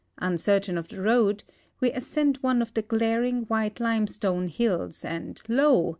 Uncertain of the road, we ascend one of the glaring, white limestone hills, and lo